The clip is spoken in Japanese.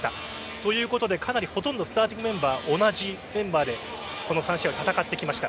ということで、かなりほとんどスターティングメンバー同じメンバーでこの３試合戦ってきました。